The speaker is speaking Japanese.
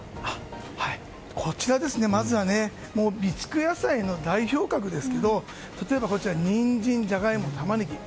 まずは備蓄野菜の代表格ですけれども例えばニンジン、ジャガイモタマネギ。